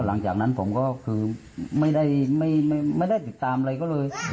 หลังจากนั้นผมก็คือไม่ได้ติดตามอะไรก็เลย